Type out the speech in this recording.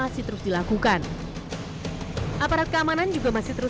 psn sudah tracking itu